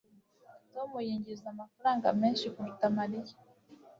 Tom yinjiza amafaranga menshi kuruta Mariya